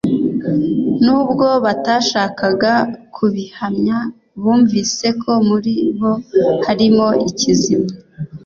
nubwo batashakaga kubihamya bumvise ko muri bo harimo ikizima